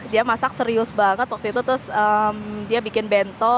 dia masak serius banget waktu itu terus dia bikin bentol